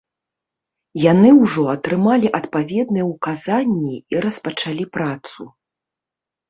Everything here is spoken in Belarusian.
Яны ўжо атрымалі адпаведныя ўказанні і распачалі працу.